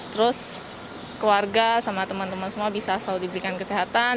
terus keluarga sama teman teman semua bisa selalu diberikan kesehatan